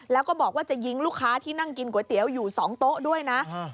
แล้วก็บอกว่าจะยิงลูกค้าที่นั่งกินก๋วยเตี๋ยวอยู่๒โต๊ะด้วยนะ